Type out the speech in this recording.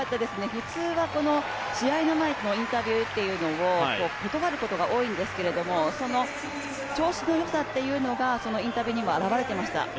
普通は試合の前のインタビューというのを断ることが多いんですけれども、調子のよさというのがそのインタビューにも表れてました。